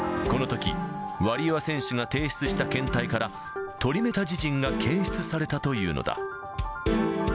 このとき、ワリエワ選手が提出した検体から、トリメタジジンが検出されたというのだ。